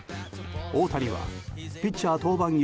大谷はピッチャー登板